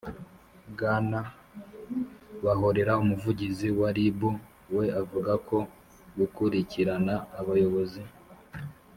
bwana bahorera, umuvugizi wa rib, we avuga ko gukurikirana abayoboz